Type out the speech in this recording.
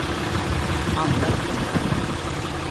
Använd den här.